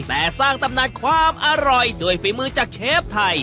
แต่สร้างตำนานความอร่อยด้วยฝีมือจากเชฟไทย